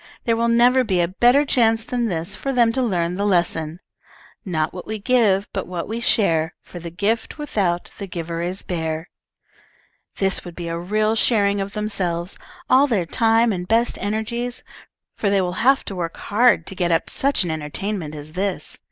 There will never be a better chance than this for them to learn the lesson: "'Not what we give, but what we share, For the gift without the giver is bare.' "This would be a real sharing of themselves, all their time and best energies, for they will have to work hard to get up such an entertainment as this.